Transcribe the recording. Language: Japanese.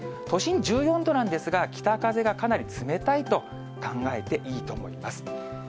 都心１４度なんですが、北風がかなり冷たいと考えていいと思います。